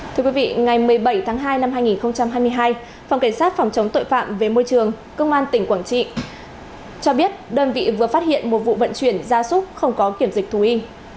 thưa quý vị ngày một mươi bảy tháng hai năm hai nghìn hai mươi hai phòng cảnh sát phòng chống tội phạm về môi trường công an tỉnh quảng trị cho biết đơn vị vừa phát hiện một vụ vận chuyển gia súc không có kiểm dịch thú y